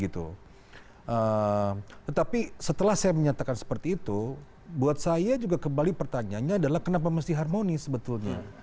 tetapi setelah saya menyatakan seperti itu buat saya juga kembali pertanyaannya adalah kenapa mesti harmonis sebetulnya